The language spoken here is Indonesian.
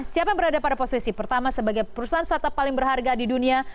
siapa yang berada pada posisi pertama sebagai perusahaan startup paling berharga di dunia